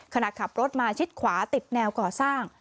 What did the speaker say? ขณะขับรถมาชิดขวาติดแนวก่อสร้าง